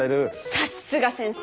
さすが先生。